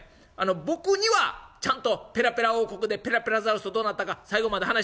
僕にはちゃんとペラペラ王国でペラペラザウルスとどうなったか最後まで話してください」。